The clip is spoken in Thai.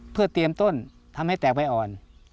เพื่อเตรียมต้นทำให้แตกใบอ่อน